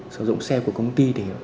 sử dụng xe của công ty